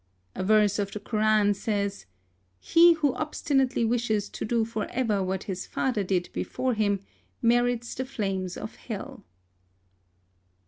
A verse of the Koran says — "He who obstinately wishes to do for ever what his father did before him, merits the flames of hell.''